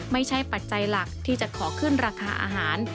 ปัจจัยหลักที่จะขอขึ้นราคาอาหาร